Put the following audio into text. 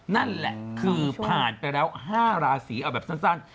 นั่นแหละคือผ่านไปแล้ว๕ราศีเอาแบบสั้น